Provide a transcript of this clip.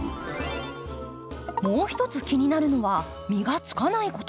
もう一つ気になるのは実がつかないこと。